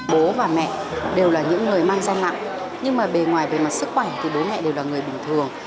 bố và mẹ đều là những người mang gian nặng nhưng mà bề ngoài về mặt sức khỏe thì bố mẹ đều là người bình thường